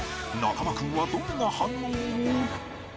中間くんはどんな反応を！？